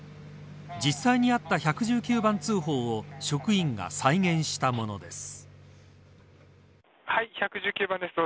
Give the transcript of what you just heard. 実際にあった１１９番通報を職員が再現したものです。